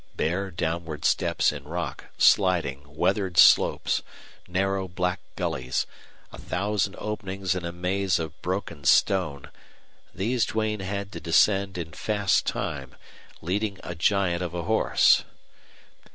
Bare downward steps in rock, sliding, weathered slopes, narrow black gullies, a thousand openings in a maze of broken stone these Duane had to descend in fast time, leading a giant of a horse.